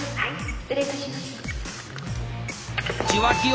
失礼いたします。